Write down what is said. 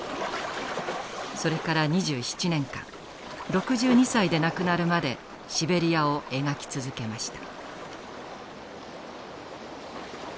それから２７年間６２歳で亡くなるまでシベリアを描き続けました。